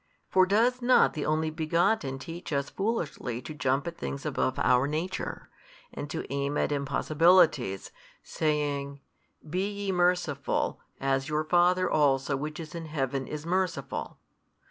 for does not the Only Begotten teach us foolishly to jump at things above our nature, and to aim at impossibilities, saying, Be ye merciful, as your Father also which is in Heaven is merciful?